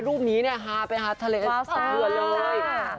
รูปนี้หาไปหาทะเลสดเผือเลย